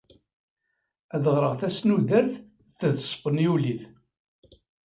Ad ɣreɣ tasnudert ed tespenyulit.